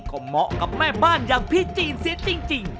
ก็เหมาะกับแม่บ้านอย่างพี่จีนเสียจริง